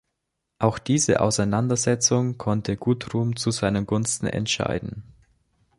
Auch diese Auseinandersetzungen konnte Guthrum zu seinen Gunsten entscheiden.